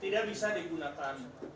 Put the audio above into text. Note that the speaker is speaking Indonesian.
tidak bisa digunakan